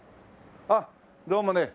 あっどうもね。